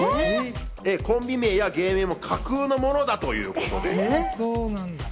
コンビ名や芸名も架空のものだということです。